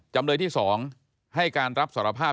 จำเลยที่๒ให้การรับสารภาพ